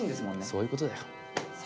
そういうことだよ。